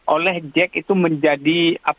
oleh jack itu menjadi